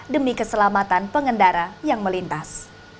demi keselamatan pengendara yang melintas